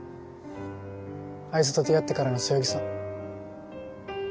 あいつと出会ってからのそよぎさん。